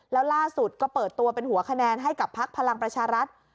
แล้วล่าสุดก็เปิดตัวเป็นหัวคะแนนให้กับพักพลังประชารัฐ